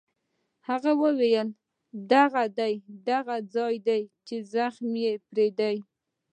هغه وویل: دغه ده، دغه ځای دی چې زخم یې پرې دی.